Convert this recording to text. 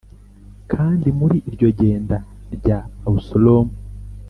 Kandi muri iryo genda rya Abusalomu